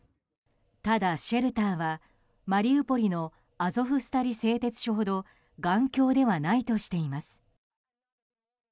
ただ、シェルターはマリウポリのアゾフスタリ製鉄所ほど頑強ではないとしています。